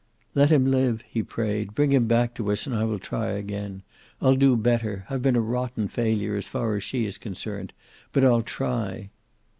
"Let him live," he prayed. "Bring him back to us, and I will try again. I'll do better. I've been a rotten failure, as far as she is concerned. But I'll try."